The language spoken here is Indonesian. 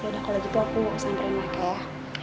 yaudah kalo gitu aku samperin pakaian